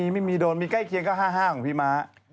ไม่มีโดนมีใกล้เคียงก็๕๕ของพี่ม้า